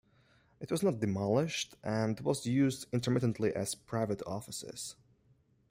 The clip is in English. It was not demolished, and was used intermittently as private offices.